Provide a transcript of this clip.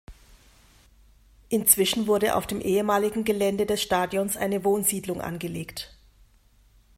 Inzwischen wurde auf dem ehemaligen Gelände des Stadions eine Wohnsiedlung angelegt.